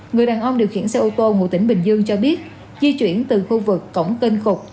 người đàn ông điều khiển xe ô tô ngụ tỉnh bình dương cho biết di chuyển từ khu vực cổng kênh cục